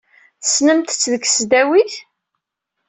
Tessnemt-t deg tesdawit?